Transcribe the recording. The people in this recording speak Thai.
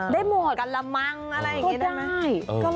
ได้หมดการะมังอะไรอย่างนี้ได้ไหม